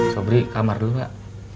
sobri kamar dulu pak